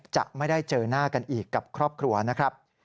จะไม่ได้เจอหน้ากันอีกกับครอบครัวนะครับ